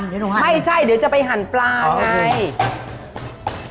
เดี๋ยวหนูหันไม่ใช่เดี๋ยวจะไปหันปลาให้อ๋อโอเค